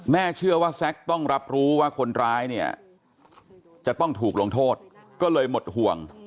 เชื่อว่าแซ็กต้องรับรู้ว่าคนร้ายเนี่ยจะต้องถูกลงโทษก็เลยหมดห่วง